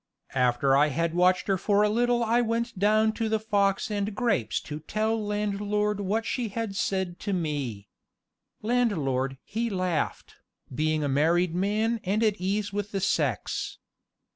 After I had watched her for a little I went down to the Fox and Grapes to tell landlord what she had said to me. Landlord he laughed, being a married man and at ease with the sex.